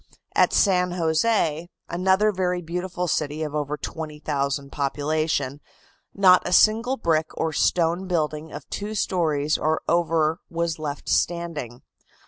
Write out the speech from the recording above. At San Jose, another very beautiful city of over 20,000 population, not a single brick or stone building of two stories or over was left standing.